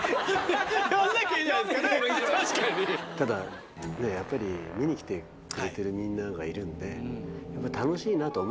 ただやっぱり見に来てくれてるみんながいるんで。